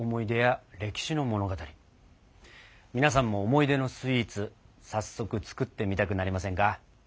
皆さんも思い出のスイーツ早速作ってみたくなりませんか？